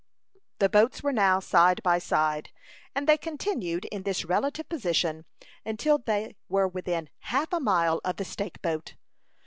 The boats were now side by side, and they continued in this relative position until they were within half a mile of the stake boat.